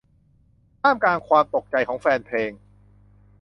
ท่ามกลางความตกใจของแฟนเพลง